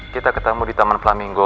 kita ketemu di taman pelaminggo